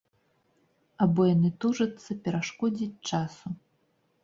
Або яны тужацца перашкодзіць часу.